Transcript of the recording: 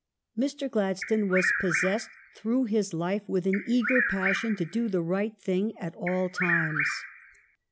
Mr. Gladstone was possessed through his life with an eager passion to do the right thing at all times.